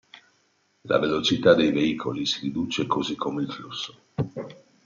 La velocità dei veicoli si riduce così come il flusso.